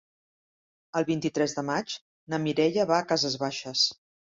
El vint-i-tres de maig na Mireia va a Cases Baixes.